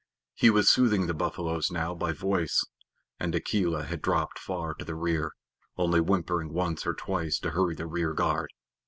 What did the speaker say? He was soothing the buffaloes now by voice, and Akela had dropped far to the rear, only whimpering once or twice to hurry the rear guard.